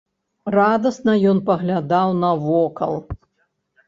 Радасна ён паглядаў навокал.